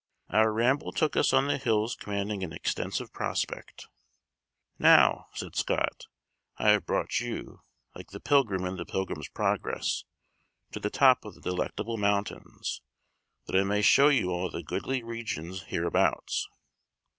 Our ramble took us on the hills commanding an extensive prospect. "Now," said Scott, "I have brought you, like the pilgrim in the Pilgrim's Progress, to the top of the Delectable Mountains, that I may show you all the goodly regions hereabouts.